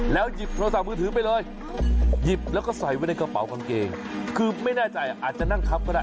หยิบโทรศัพท์มือถือไปเลยหยิบแล้วก็ใส่ไว้ในกระเป๋ากางเกงคือไม่แน่ใจอาจจะนั่งทับก็ได้